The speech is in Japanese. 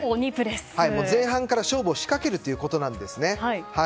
前半から勝負を仕掛けるということなんですね。